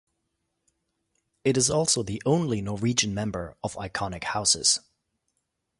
It is also the only Norwegian member of Iconic Houses.